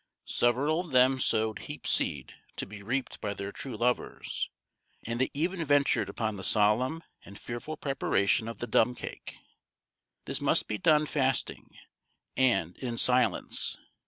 Several of them sowed hemp seed, to be reaped by their true lovers; and they even ventured upon the solemn and fearful preparation of the dumb cake. This must be done fasting and in silence.